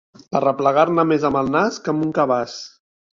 Arreplegar-ne més amb el nas que amb un cabàs.